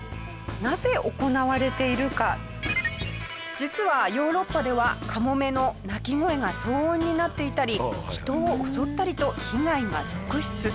実はヨーロッパではカモメの鳴き声が騒音になっていたり人を襲ったりと被害が続出。